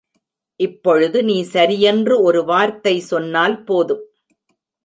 இப்பொழுது நீ சரியென்று ஒரு வார்த்தை சென்னால் போதும்.